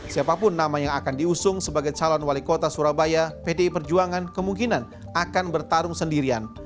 siapapun nama yang akan diusung sebagai calon wali kota surabaya pdi perjuangan kemungkinan akan bertarung sendirian